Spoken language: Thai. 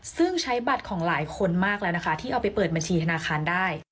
ซึ่งใช้บัตรของหลายคนมากแล้วนะคะที่เอาไปเปิดบัญชีธนาคารได้